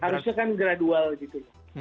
harusnya kan gradual gitu